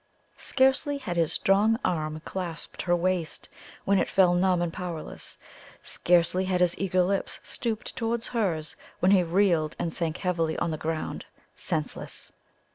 Scarcely had his strong arm clasped her waist, when it fell numb and powerless scarcely had his eager lips stooped towards hers, when he reeled and sank heavily on the ground, senseless!